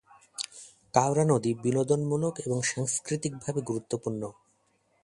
কাউরা নদী বিনোদনমূলক এবং সাংস্কৃতিকভাবে গুরুত্বপূর্ণ।